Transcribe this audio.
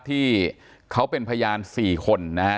ที่เขาเป็นพยาน๔คนนะฮะ